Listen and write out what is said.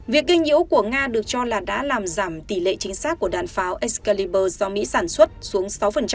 việc gây nhiễu của nga được cho là đã làm giảm tỷ lệ chính xác của đạn pháo excalibur do mỹ sản xuất xuống sáu